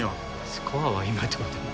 スコアは今どうでも。